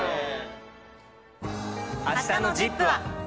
あしたのＺＩＰ！は。